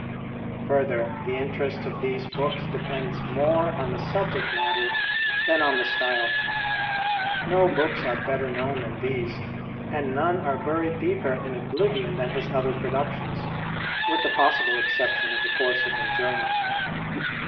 Further, the interest of these books depends more on the subject matter than on the style. No books are better known than these, and none are buried deeper in oblivion than his other productions, with the possible exception of the Corsican journal.